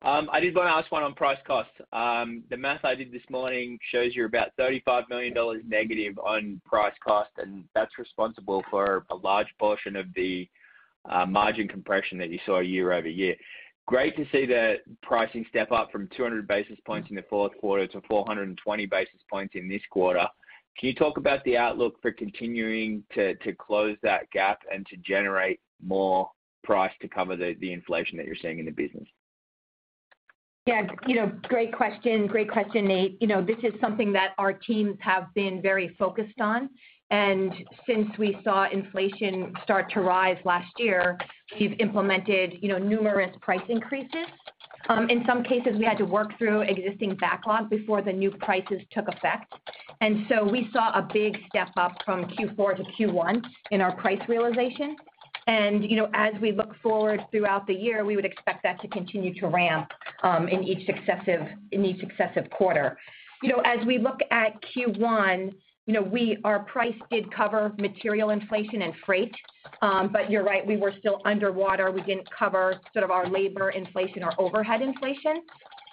I did wanna ask one on price costs. The math I did this morning shows you're about $35 million negative on price cost, and that's responsible for a large portion of the margin compression that you saw year-over-year. Great to see the pricing step up from 200 basis points in the fourth quarter to 420 basis points in this quarter. Can you talk about the outlook for continuing to close that gap and to generate more price to cover the inflation that you're seeing in the business? Yeah, you know, great question. Great question, Nate. You know, this is something that our teams have been very focused on. Since we saw inflation start to rise last year, we've implemented, you know, numerous price increases. In some cases, we had to work through existing backlog before the new prices took effect. We saw a big step up from Q4 to Q1 in our price realization. You know, as we look forward throughout the year, we would expect that to continue to ramp in each successive quarter. You know, as we look at Q1, you know, our price did cover material inflation and freight, but you're right, we were still underwater. We didn't cover sort of our labor inflation or overhead inflation.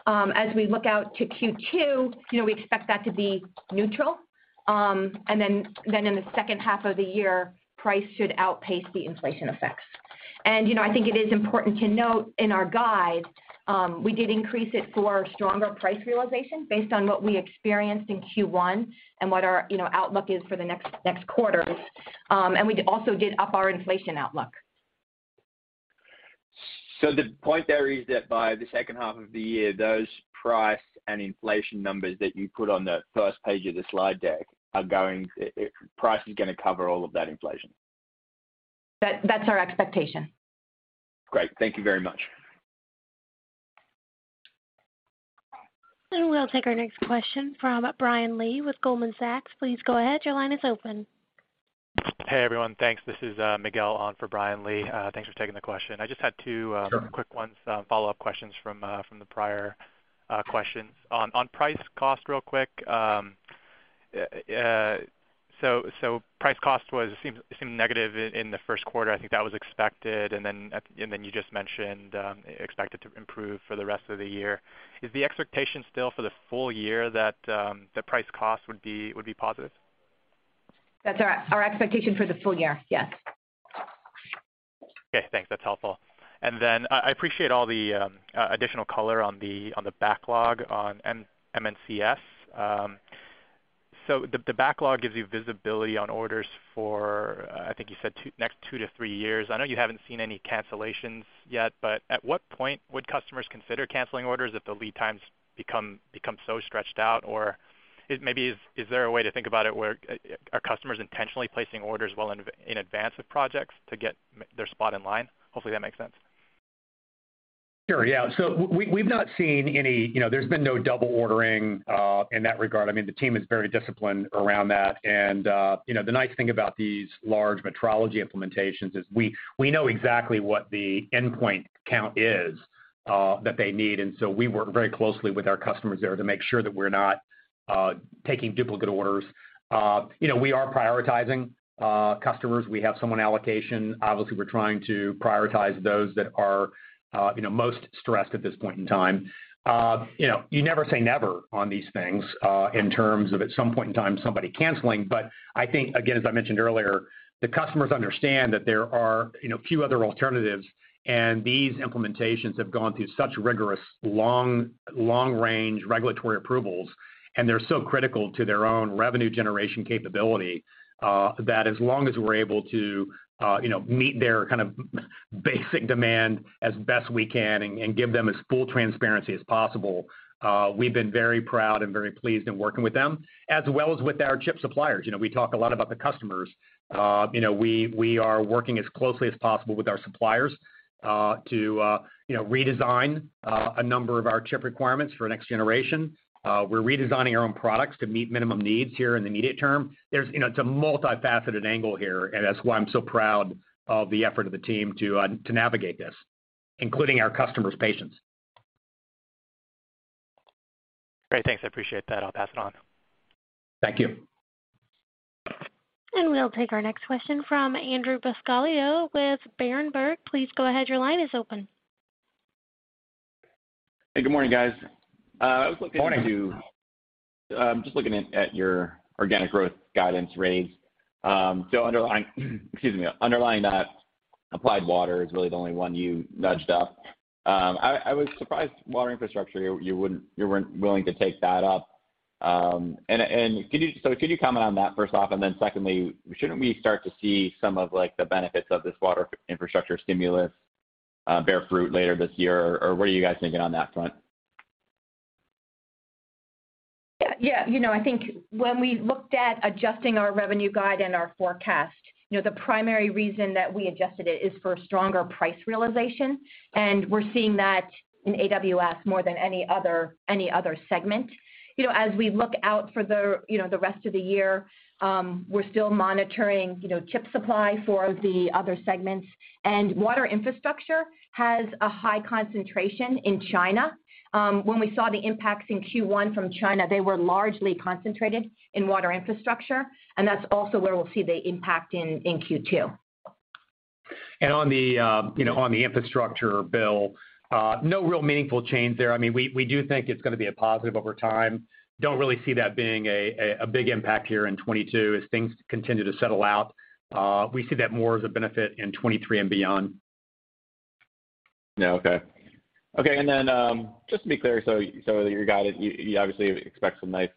As we look out to Q2, you know, we expect that to be neutral. In the second half of the year, price should outpace the inflation effects. You know, I think it is important to note in our guide, we did increase it for stronger price realization based on what we experienced in Q1 and what our, you know, outlook is for the next quarter. We also did up our inflation outlook. The point there is that by the second half of the year, those price and inflation numbers that you put on the first page of the slide deck, price is gonna cover all of that inflation. That's our expectation. Great. Thank you very much. We'll take our next question from Brian Lee with Goldman Sachs. Please go ahead. Your line is open. Hey, everyone. Thanks. This is Miguel on for Brian Lee. Thanks for taking the question. I just had two, Sure Quick ones, follow-up questions from the prior questions. On price cost real quick, so price cost seemed negative in the first quarter. I think that was expected. You just mentioned expected to improve for the rest of the year. Is the expectation still for the full year that the price cost would be positive? That's our expectation for the full year. Yes. Okay, thanks. That's helpful. I appreciate all the additional color on the backlog on M&CS. So the backlog gives you visibility on orders for, I think you said, the next two to three years. I know you haven't seen any cancellations yet, but at what point would customers consider canceling orders if the lead times become so stretched out? Or maybe is there a way to think about it where are customers intentionally placing orders well in advance of projects to get their spot in line? Hopefully that makes sense. Sure, yeah. We've not seen any. You know, there's been no double ordering in that regard. I mean, the team is very disciplined around that. You know, the nice thing about these large metrology implementations is we know exactly what the endpoint count is that they need. We work very closely with our customers there to make sure that we're not taking duplicate orders. You know, we are prioritizing customers. We have some allocation. Obviously, we're trying to prioritize those that are most stressed at this point in time. You know, you never say never on these things in terms of at some point in time somebody canceling. I think, again, as I mentioned earlier, the customers understand that there are, you know, few other alternatives, and these implementations have gone through such rigorous, long-range regulatory approvals, and they're so critical to their own revenue generation capability, that as long as we're able to, you know, meet their kind of basic demand as best we can and give them as full transparency as possible, we've been very proud and very pleased in working with them, as well as with our chip suppliers. You know, we talk a lot about the customers. You know, we are working as closely as possible with our suppliers, to, you know, redesign a number of our chip requirements for next generation. We're redesigning our own products to meet minimum needs here in the immediate term. There's, you know, it's a multifaceted angle here, and that's why I'm so proud of the effort of the team to navigate this, including our customers' patience. Great. Thanks. I appreciate that. I'll pass it on. Thank you. We'll take our next question from Andrew Buscaglia with Berenberg. Please go ahead. Your line is open. Hey, good morning, guys. I was looking into. Morning. Just looking at your organic growth guidance raise. Underlying, excuse me, that Applied Water is really the only one you nudged up. I was surprised Water Infrastructure, you weren't willing to take that up. Could you comment on that first off, and then secondly, shouldn't we start to see some of, like, the benefits of this water infrastructure stimulus bear fruit later this year? Or what are you guys thinking on that front? Yeah, yeah. You know, I think when we looked at adjusting our revenue guide and our forecast, you know, the primary reason that we adjusted it is for stronger price realization. We're seeing that in AWS more than any other segment. You know, as we look out for the rest of the year, we're still monitoring, you know, chip supply for the other segments. Water Infrastructure has a high concentration in China. When we saw the impacts in Q1 from China, they were largely concentrated in Water Infrastructure, and that's also where we'll see the impact in Q2. On the infrastructure bill, no real meaningful change there. I mean, we do think it's gonna be a positive over time. Don't really see that being a big impact here in 2022 as things continue to settle out. We see that more as a benefit in 2023 and beyond. Yeah. Okay. Just to be clear, so that you got it, you obviously expect some nice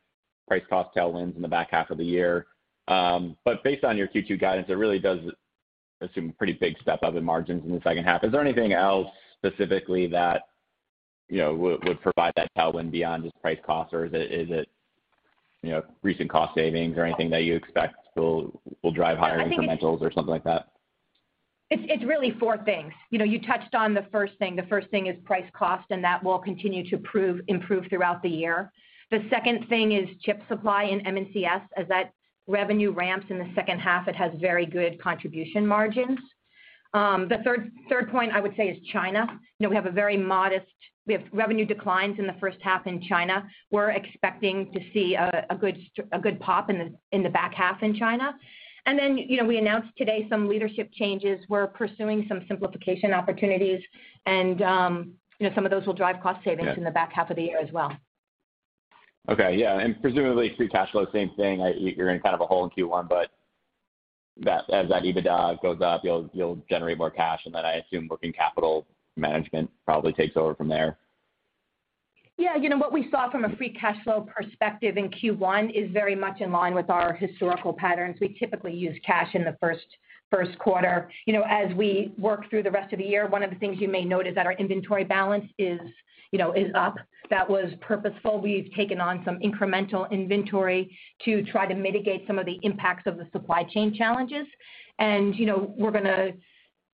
price-cost tailwinds in the back half of the year. Based on your Q2 guidance, it really does assume pretty big step-up in margins in the second half. Is there anything else specifically that, you know, would provide that tailwind beyond just price-cost, or is it? You know, recent cost savings or anything that you expect will drive higher incrementals or something like that? It's really four things. You know, you touched on the first thing. The first thing is price cost, and that will continue to improve throughout the year. The second thing is chip supply in M&CS. As that revenue ramps in the second half, it has very good contribution margins. The third point I would say is China. You know, we have revenue declines in the first half in China. We're expecting to see a good pop in the back half in China. You know, we announced today some leadership changes. We're pursuing some simplification opportunities, and some of those will drive cost savings. Yeah In the back half of the year as well. Okay. Yeah, presumably free cash flow, same thing. You're in kind of a hole in Q1, but as that EBITDA goes up, you'll generate more cash and then I assume working capital management probably takes over from there. Yeah. You know, what we saw from a free cash flow perspective in Q1 is very much in line with our historical patterns. We typically use cash in the first quarter. You know, as we work through the rest of the year, one of the things you may note is that our inventory balance is, you know, is up. That was purposeful. We've taken on some incremental inventory to try to mitigate some of the impacts of the supply chain challenges. You know, we're gonna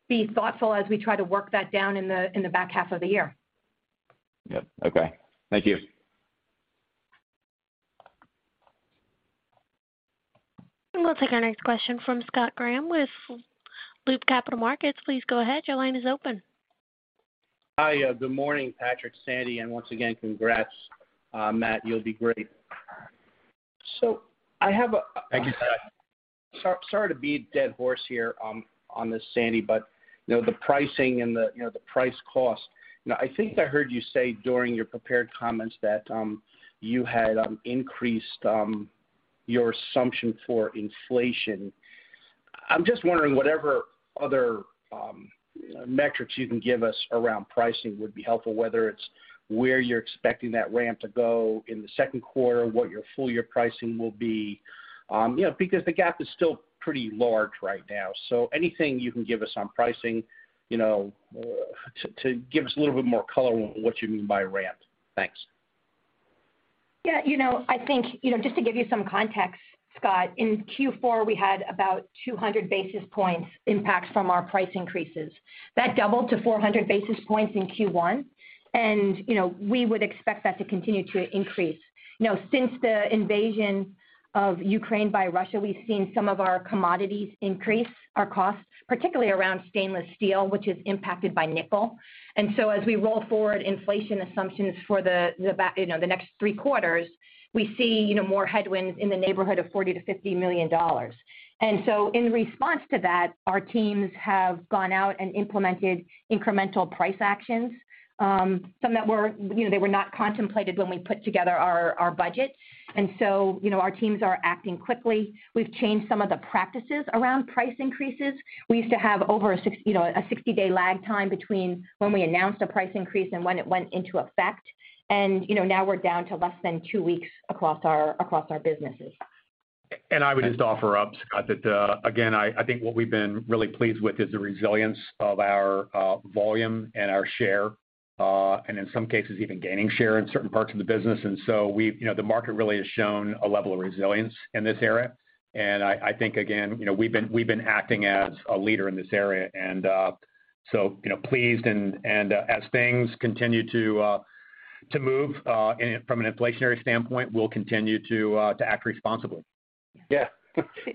be thoughtful as we try to work that down in the back half of the year. Yeah. Okay. Thank you. We'll take our next question from Scott Graham with Loop Capital Markets. Please go ahead. Your line is open. Hi. Good morning, Patrick, Sandy, and once again, congrats, Matt, you'll be great. I have a- Thank you, Scott. Sorry to beat a dead horse here on this, Sandy, but you know, the pricing and the, you know, the price cost. Now, I think I heard you say during your prepared comments that you had increased your assumption for inflation. I'm just wondering what other metrics you can give us around pricing would be helpful, whether it's where you're expecting that ramp to go in the second quarter, what your full year pricing will be. You know, because the gap is still pretty large right now, so anything you can give us on pricing, you know, to give us a little bit more color on what you mean by ramp. Thanks. Yeah. You know, I think, you know, just to give you some context, Scott, in Q4, we had about 200 basis points impact from our price increases. That doubled to 400 basis points in Q1. You know, we would expect that to continue to increase. You know, since the invasion of Ukraine by Russia, we've seen some of our commodities increase our costs, particularly around stainless steel, which is impacted by nickel. As we roll forward inflation assumptions for the next three quarters, we see, you know, more headwinds in the neighborhood of $40 million-$50 million. In response to that, our teams have gone out and implemented incremental price actions, some that were. You know, they were not contemplated when we put together our budget. You know, our teams are acting quickly. We've changed some of the practices around price increases. We used to have a 60-day lag time between when we announced a price increase and when it went into effect. you know, now we're down to less than two weeks across our businesses. I would just offer up, Scott, that, again, I think what we've been really pleased with is the resilience of our volume and our share, and in some cases, even gaining share in certain parts of the business. You know, the market really has shown a level of resilience in this area. I think, again, you know, we've been acting as a leader in this area and, so, you know, pleased and, as things continue to move from an inflationary standpoint, we'll continue to act responsibly. Yeah.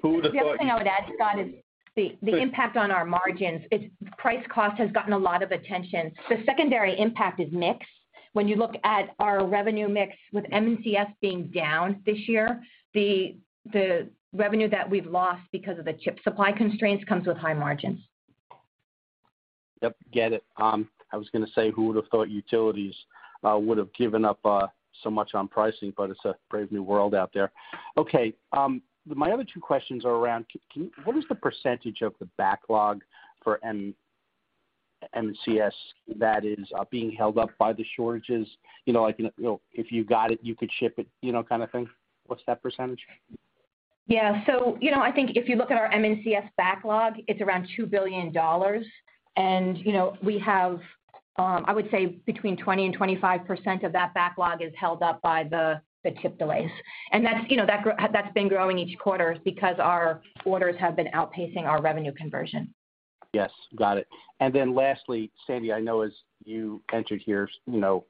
Who would have thought. The other thing I would add, Scott, is the impact on our margins. It's price cost has gotten a lot of attention. The secondary impact is mix. When you look at our revenue mix with M&CS being down this year, the revenue that we've lost because of the chip supply constraints comes with high margins. Yep, get it. I was gonna say, who would have thought utilities would have given up so much on pricing, but it's a brave new world out there. Okay. My other two questions are around what is the percentage of the backlog for M&CS that is being held up by the shortages? You know, like, you know, if you got it, you could ship it, you know, kind of thing. What's that percentage? You know, I think if you look at our M&CS backlog, it's around $2 billion. You know, we have, I would say between 20% and 25% of that backlog is held up by the chip delays. That's, you know, that's been growing each quarter because our orders have been outpacing our revenue conversion. Yes. Got it. Lastly, Sandy, I know as you entered here, you know,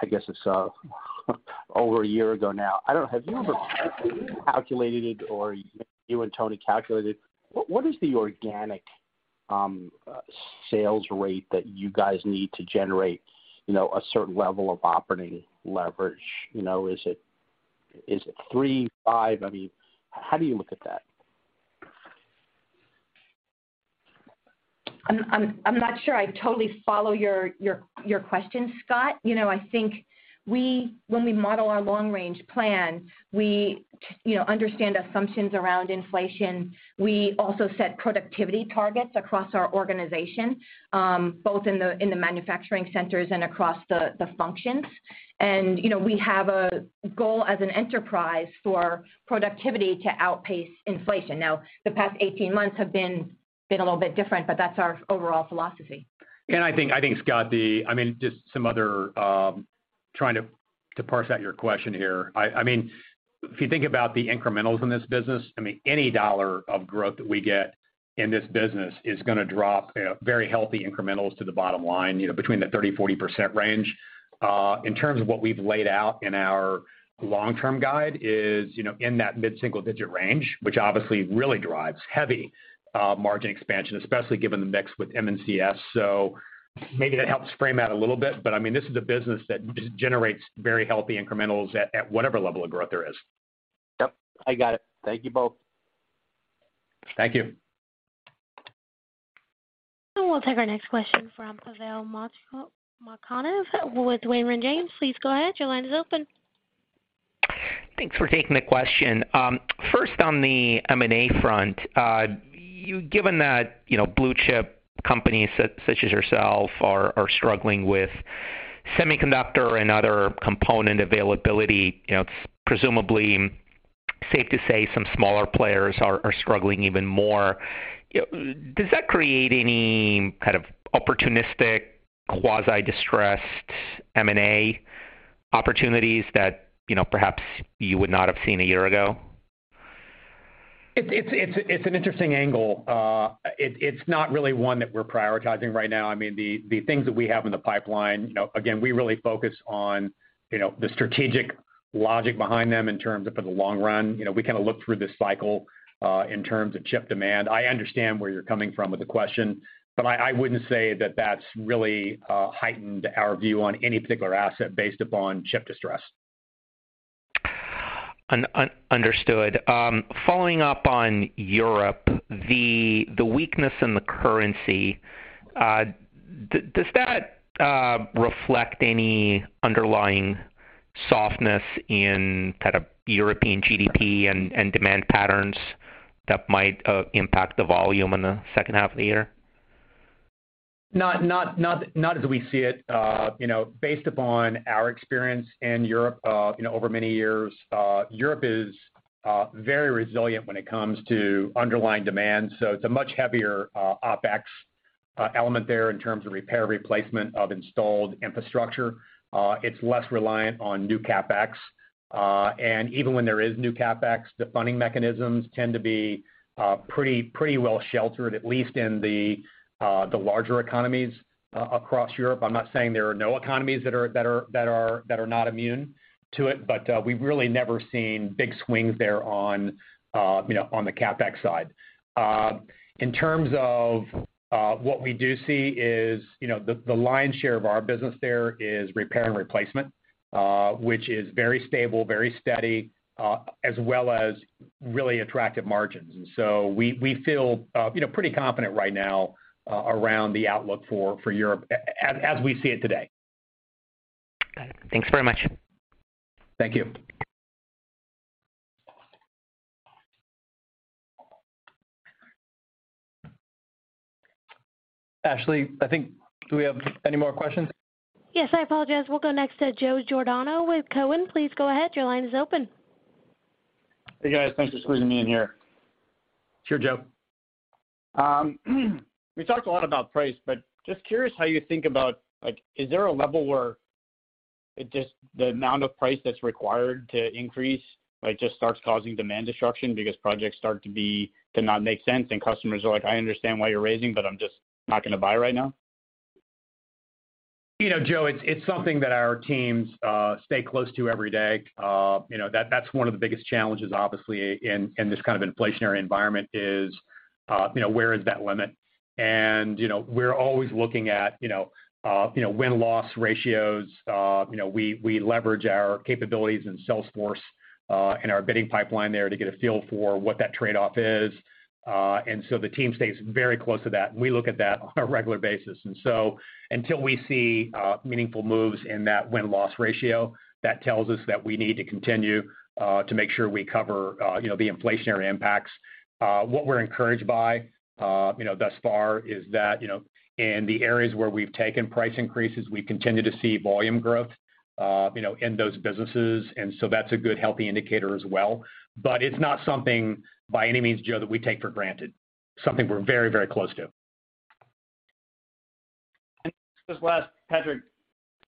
I guess it's over a year ago now. I don't know, have you ever calculated it or you and Tony calculated what is the organic sales rate that you guys need to generate, you know, a certain level of operating leverage? You know, is it three, five? I mean, how do you look at that? I'm not sure I totally follow your question, Scott. You know, I think when we model our long-range plan, we, you know, understand assumptions around inflation. We also set productivity targets across our organization, both in the manufacturing centers and across the functions. You know, we have a goal as an enterprise for productivity to outpace inflation. Now, the past 18 months have been a little bit different, but that's our overall philosophy. I think, Scott, I mean, trying to parse out your question here. I mean, if you think about the incrementals in this business, I mean, any dollar of growth that we get in this business is gonna drop, you know, very healthy incrementals to the bottom line, you know, between the 30%-40% range. In terms of what we've laid out in our long-term guide is, you know, in that mid-single digit range, which obviously really drives heavy margin expansion, especially given the mix with M&CS. Maybe that helps frame out a little bit, but I mean, this is a business that generates very healthy incrementals at whatever level of growth there is. Yep. I got it. Thank you both. Thank you. We'll take our next question from Pavel Molchanov with Raymond James. Please go ahead. Your line is open. Thanks for taking the question. First on the M&A front, given that, you know, blue chip companies such as yourself are struggling with semiconductor and other component availability, you know, it's presumably safe to say some smaller players are struggling even more. You know, does that create any kind of opportunistic, quasi-distressed M&A opportunities that, you know, perhaps you would not have seen a year ago? It's an interesting angle. It's not really one that we're prioritizing right now. I mean, the things that we have in the pipeline, you know, again, we really focus on, you know, the strategic logic behind them in terms of for the long run. You know, we kinda look through this cycle in terms of chip demand. I understand where you're coming from with the question, but I wouldn't say that that's really heightened our view on any particular asset based upon chip distress. Understood. Following up on Europe, the weakness in the currency, does that reflect any underlying softness in kind of European GDP and demand patterns that might impact the volume in the second half of the year? Not as we see it. You know, based upon our experience in Europe, you know, over many years, Europe is very resilient when it comes to underlying demand, so it's a much heavier OpEx element there in terms of repair, replacement of installed infrastructure. It's less reliant on new CapEx. And even when there is new CapEx, the funding mechanisms tend to be pretty well sheltered, at least in the larger economies across Europe. I'm not saying there are no economies that are not immune to it, but we've really never seen big swings there on, you know, on the CapEx side. In terms of what we do see is, you know, the lion's share of our business there is repair and replacement, which is very stable, very steady, as well as really attractive margins. We feel, you know, pretty confident right now around the outlook for Europe as we see it today. Got it. Thanks very much. Thank you. Ashley, I think. Do we have any more questions? Yes, I apologize. We'll go next to Joseph Giordano with Cowen. Please go ahead. Your line is open. Hey, guys. Thanks for squeezing me in here. Sure, Joe. We talked a lot about price, but just curious how you think about, like, is there a level where it just the amount of price that's required to increase, like, just starts causing demand destruction because projects start to not make sense and customers are like, "I understand why you're raising, but I'm just not gonna buy right now"? You know, Joe, it's something that our teams stay close to every day. You know, that's one of the biggest challenges, obviously, in this kind of inflationary environment is, you know, where is that limit? You know, we're always looking at, you know, win-loss ratios. You know, we leverage our capabilities in Salesforce and our bidding pipeline there to get a feel for what that trade-off is. The team stays very close to that, and we look at that on a regular basis. Until we see meaningful moves in that win-loss ratio, that tells us that we need to continue to make sure we cover, you know, the inflationary impacts. What we're encouraged by, you know, thus far is that, you know, in the areas where we've taken price increases, we continue to see volume growth, you know, in those businesses. That's a good, healthy indicator as well. It's not something by any means, Joe, that we take for granted. Something we're very, very close to. Just last, Patrick,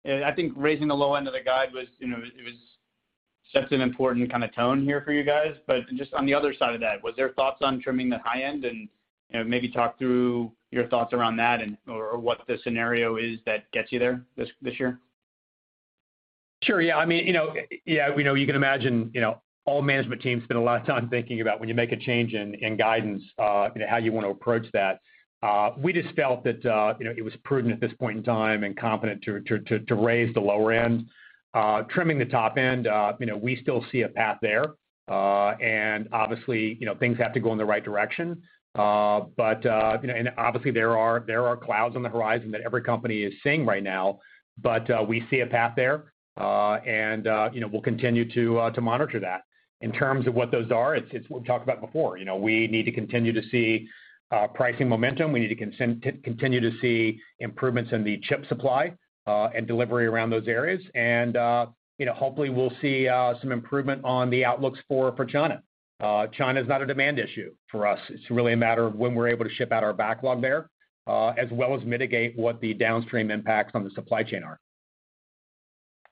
I think raising the low end of the guide was, you know, it was such an important kind of tone here for you guys, but just on the other side of that, was there thoughts on trimming the high end? You know, maybe talk through your thoughts around that and/or what the scenario is that gets you there this year. Sure. Yeah. I mean, you know, yeah, you know, you can imagine, you know, all management teams spend a lot of time thinking about when you make a change in guidance, you know, how you wanna approach that. We just felt that, you know, it was prudent at this point in time and confident to raise the lower end. Trimming the top end, you know, we still see a path there. Obviously, you know, things have to go in the right direction. You know, obviously there are clouds on the horizon that every company is seeing right now, but we see a path there. You know, we'll continue to monitor that. In terms of what those are, it's what we've talked about before. You know, we need to continue to see pricing momentum. We need to continue to see improvements in the chip supply and delivery around those areas. You know, hopefully we'll see some improvement on the outlooks for China. China's not a demand issue for us. It's really a matter of when we're able to ship out our backlog there, as well as mitigate what the downstream impacts on the supply chain are.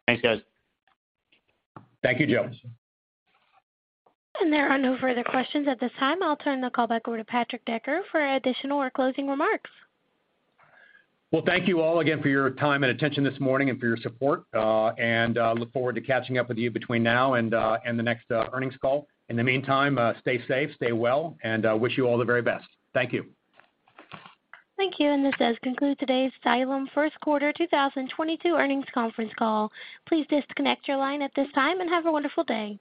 Thanks, guys. Thank you, Joe. There are no further questions at this time. I'll turn the call back over to Patrick Decker for additional or closing remarks. Well, thank you all again for your time and attention this morning and for your support. Look forward to catching up with you between now and the next earnings call. In the meantime, stay safe, stay well, and wish you all the very best. Thank you. Thank you. This does conclude today's Xylem first quarter 2022 earnings conference call. Please disconnect your line at this time and have a wonderful day.